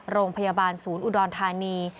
โรงพยาบาลศูนย์อุดรธานี